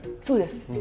そうです。